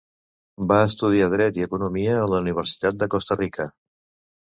Va estudiar Dret i Economia a la Universitat de Costa Rica.